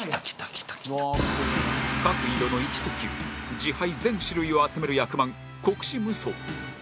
各色の「一」と「九」字牌全種類を集める役満国士無双